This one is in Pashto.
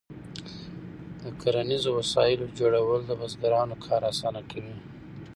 د کرنیزو وسایلو جوړول د بزګرانو کار اسانه کوي.